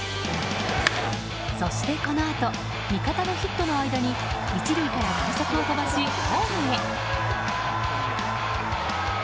そしてこのあと味方のヒットの間に１塁から快足を飛ばしホームへ。